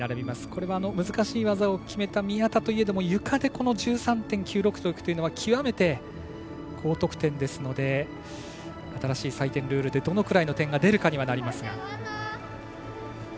これは難しい技を決めた宮田といえでもゆかで１３．９６６というのは極めて高得点ですので新しい採点ルールでどのぐらいの点が出るかにはなりますが。